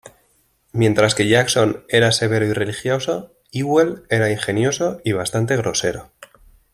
Mientras que Jackson era severo y religioso, Ewell era ingenioso y bastante grosero.